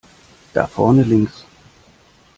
Da vorne links!